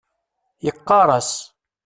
Yeqqar-as .